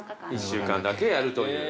１週間だけやるという。